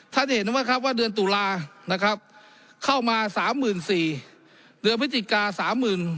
ท่านเห็นว่าครับว่าเดือนตุลาคมเข้ามา๓๔๐๐๐เดือนพฤติกา๓๗๐๐๐